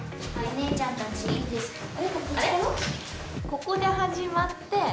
ここで始まって。